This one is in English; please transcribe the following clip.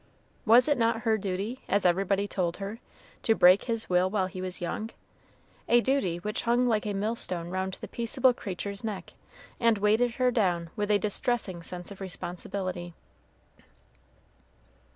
Was it not her duty, as everybody told her, to break his will while he was young? a duty which hung like a millstone round the peaceable creature's neck, and weighed her down with a distressing sense of responsibility.